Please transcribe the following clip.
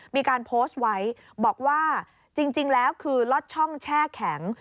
มีการโพสต์ไว้บอกว่าจริงแล้วคือลอดช่องแช่แข็ง